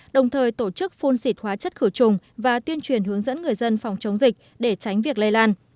đồng thời tổ chức phun xịt hóa chất khử trùng và tuyên truyền hướng dẫn người dân phòng chống dịch để tránh việc lây lan